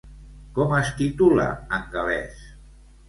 Com es titula en gal·lès?